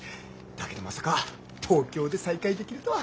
だけどまさか東京で再会できるとは。